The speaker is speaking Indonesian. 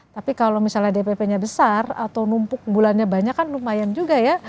tapi kalau misalnya dpp nya besar atau numpuk bulannya banyak kan lumayan juga ya